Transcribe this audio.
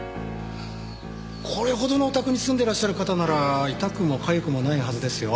これほどのお宅に住んでらっしゃる方なら痛くも痒くもないはずですよ。